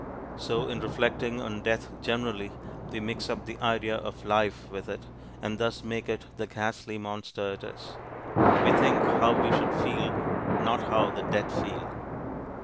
So in reflecting on death generally, we mix up the idea of life with it, and thus make it the ghastly monster it is. We think, how we should feel, not how the dead feel.